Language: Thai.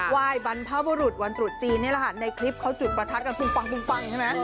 ยบรรพบุรุษวันตรุษจีนนี่แหละค่ะในคลิปเขาจุดประทัดกันปุงปังใช่ไหม